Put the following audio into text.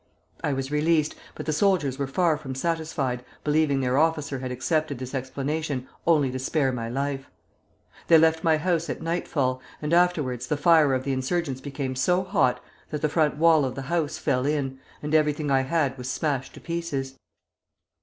I was released, but the soldiers were far from satisfied, believing their officer had accepted this explanation only to spare my life. They left my house at nightfall, and afterwards the fire of the insurgents became so hot that the front wall of the house fell in, and everything I had was smashed to pieces.